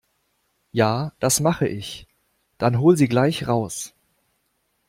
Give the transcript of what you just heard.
Ja, das mache ich. Dann hol sie gleich raus.